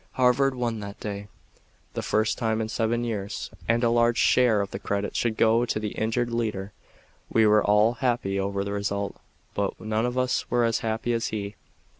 Harvard won that day, the first time in seven years and a large share of the credit should go to the injured leader. We were all happy over the result but none of us were as happy as he.